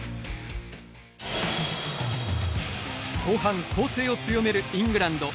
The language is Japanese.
後半攻勢を強めるイングランド。